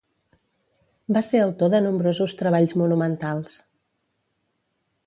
Va ser autor de nombrosos treballs monumentals.